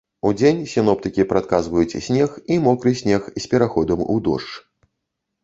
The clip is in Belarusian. Удзень сіноптыкі прадказваюць снег і мокры снег з пераходам у дождж.